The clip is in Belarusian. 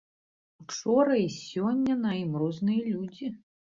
Учора і сёння на ім розныя людзі.